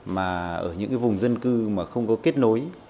mà ở những cái vùng dân cư mà không có kết nối